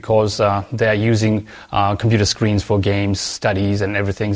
karena mereka menggunakan skrin komputer untuk belajar permainan dan sebagainya